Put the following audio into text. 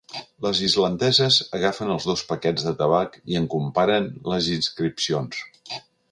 Les islandeses agafen els dos paquets de tabac i en comparen les inscripcions.